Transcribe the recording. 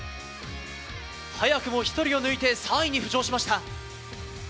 早くも１人を抜いて３位に浮上しました。